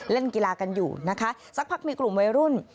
เล่นกีฬากันอยู่นะคะสักพักมีกลุ่มวัยรุ่น